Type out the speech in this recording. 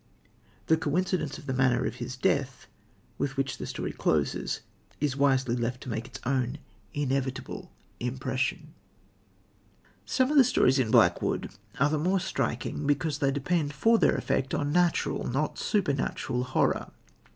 The coincidence of the manner of his death, with which the story closes, is wisely left to make its own inevitable impression. Some of the stories in Blackwood are the more striking because they depend for their effect on natural, not supernatural, horror.